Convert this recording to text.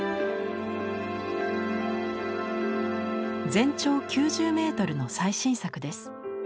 全長９０メートルの最新作です。